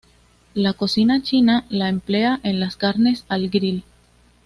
La cocina china la emplea en las carnes al grill.